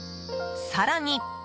更に。